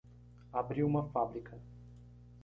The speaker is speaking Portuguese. Abriu uma fábrica